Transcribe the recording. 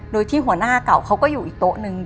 โดยที่หัวหน้าเก่าเขาก็อยู่อีกโต๊ะนึง